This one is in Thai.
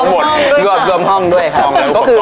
ทั้งหมดเลยครับรวมห้องด้วยครับรวมห้องและอุปกรณ์